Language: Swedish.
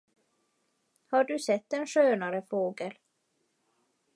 Har du sett en skönare fågel?